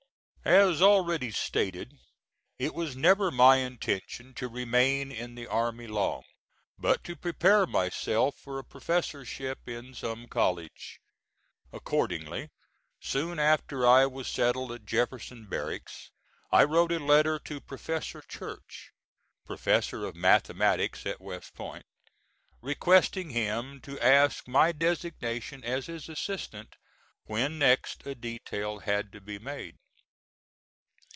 As already stated, it was never my intention to remain in the army long, but to prepare myself for a professorship in some college. Accordingly, soon after I was settled at Jefferson Barracks, I wrote a letter to Professor Church Professor of Mathematics at West Point requesting him to ask my designation as his assistant, when next a detail had to be made.